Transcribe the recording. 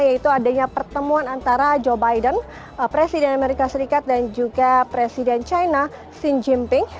yaitu adanya pertemuan antara joe biden presiden amerika serikat dan juga presiden china xi jinping